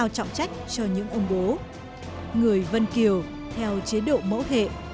trọng trách cho những ông bố người vân kiều theo chế độ mẫu hệ